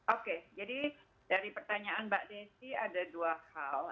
oke jadi dari pertanyaan mbak desi ada dua hal